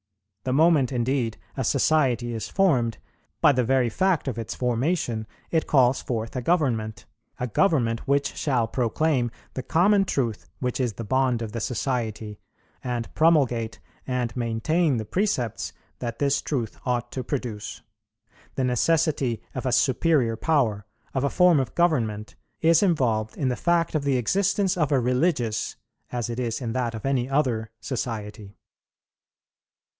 The moment, indeed, a society is formed, by the very fact of its formation, it calls forth a government, a government which shall proclaim the common truth which is the bond of the society, and promulgate and maintain the precepts that this truth ought to produce. The necessity of a superior power, of a form of government, is involved in the fact of the existence of a religious, as it is in that of any other society.